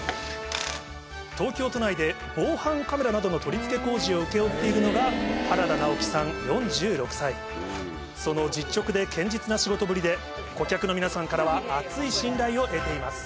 東京都内で防犯カメラなどの取り付け工事を請け負っているのがその実直で堅実な仕事ぶりで顧客の皆さんからは厚い信頼を得ています